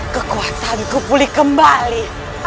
kekuatanku pulih kembali